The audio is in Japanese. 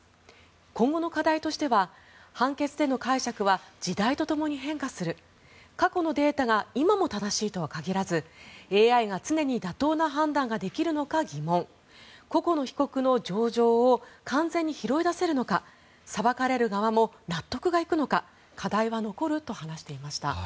今後の課題としては判決での解釈は時代とともに変化する過去のデータが今も正しいとは限らずＡＩが常に妥当な判断ができるのか疑問個々の被告の情状を完全に拾い出せるのか裁かれる側も納得がいくのか課題は残ると話していました。